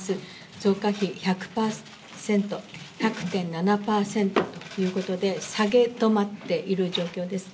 増加比１００．７％ということで下げ止まっている状況です。